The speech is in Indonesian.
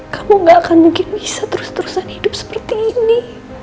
kamu gak akan mungkin bisa terus terusan hidup seperti ini